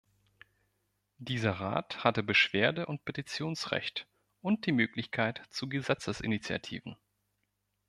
Dieser Rat hatte Beschwerde- und Petitionsrecht und die Möglichkeit zu Gesetzesinitiativen.